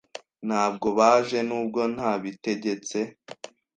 Ntabwo baje nubwo nabitegetse.